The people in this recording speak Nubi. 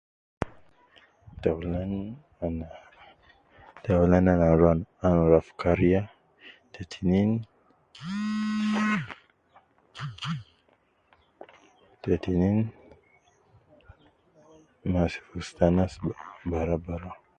Taulan ana, taulan ana rua ana rua fi kariya, te tinin, te tinin, masi fi ustu anas bara bara